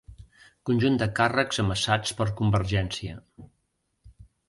Conjunt de càrrecs amassats per Convergència.